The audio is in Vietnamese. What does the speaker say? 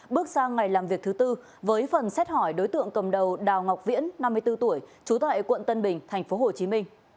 bước sang ngày làm việc thứ tư với phần xét hỏi đối tượng cầm đầu đào ngọc viễn năm mươi bốn tuổi trú tại quận tân bình tp hcm